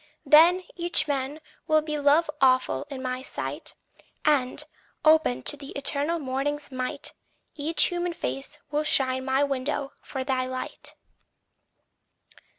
Then Each man will be love awful in my sight; And, open to the eternal morning's might, Each human face will shine my window for thy light.